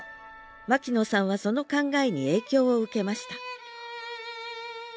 牧野さんはその考えに影響を受けました